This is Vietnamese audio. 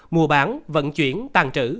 mùa bán vận chuyển tàn trữ